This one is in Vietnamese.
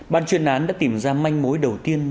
bàn truyền án đã tìm ra manh mối đầu tiên